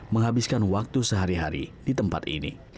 menghabiskan waktu sehari hari di tempat ini